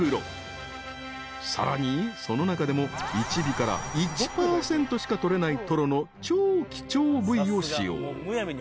［さらにその中でも１尾から１％しか取れないトロの超貴重部位を使用］